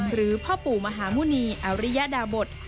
หรือพ่อปู่มหาหมุณีอริยดาบท